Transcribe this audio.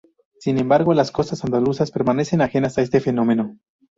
Sin embargo, las costas andaluzas permanecen ajenas a este fenómeno.